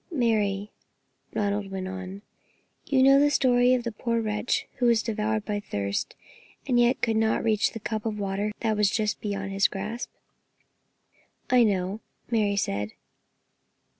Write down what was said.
"Mary," Ronald went on, "you know the story of the poor wretch who was devoured by thirst, and yet could not reach the cup of water that was just beyond his grasp?" "I know," Mary said.